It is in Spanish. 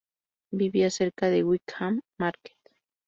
Vivía cerca de Wickham Market.